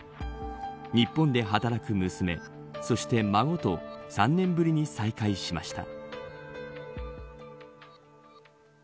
日本で働く娘そして孫と３年ぶりに再開しました。